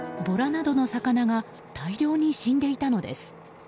ボラなどの魚が大量に死んでいたのです。